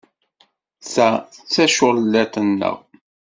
Ta d taculliḍt-nneɣ.